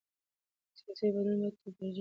سیاسي بدلون باید تدریجي وي